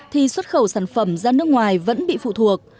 thì xuất khẩu sản phẩm ra nước ngoài vẫn bị phụ thuộc